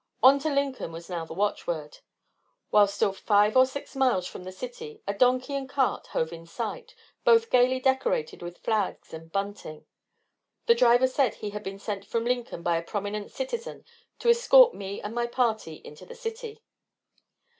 On to Lincoln was now the watchword. While still five or six miles from the city, a donkey and cart hove in sight, both gayly decorated with flags and bunting. The driver said he had been sent from Lincoln by a prominent citizen to escort me and my party into the city.